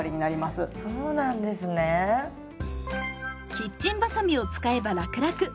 キッチンばさみを使えばラクラク。